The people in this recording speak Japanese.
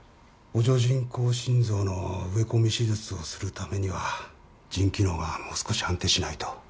補助人工心臓の植え込み手術をするためには腎機能がもう少し安定しないと。